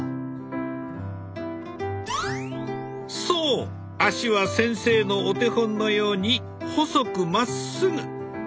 そう足は先生のお手本のように細くまっすぐ。